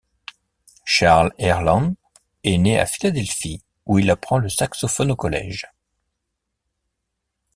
Charles Earland est né à Philadelphie où il apprend le saxophone au collège.